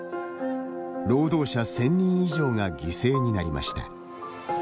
労働者１０００人以上が犠牲になりました。